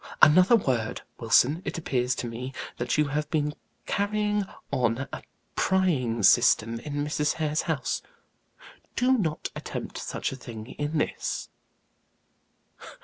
Another word, Wilson; it appears to me that you have been carrying on a prying system in Mrs. Hare's house do not attempt such a thing in this."